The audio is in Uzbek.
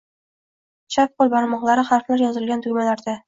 Chap qo’l barmoqlari harflar yozilgan tugmalarda